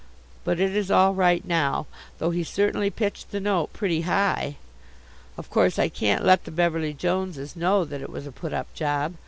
But it is all right now, though he certainly pitched the note pretty high. Of course I can't let the Beverly Joneses know that it was a put up job.